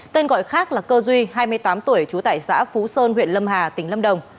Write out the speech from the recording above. tên gọi khác là cơ duy hai mươi tám tuổi trú tại xã phú sơn huyện lâm hà tỉnh lâm đồng